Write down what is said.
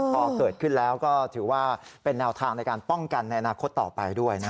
พอเกิดขึ้นแล้วก็ถือว่าเป็นแนวทางในการป้องกันในอนาคตต่อไปด้วยนะ